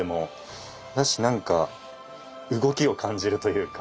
だしなんか動きを感じるというか。